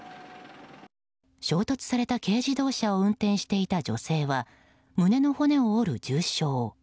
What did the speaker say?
衝突された軽自動車を運転していた女性は胸の骨を折る重傷。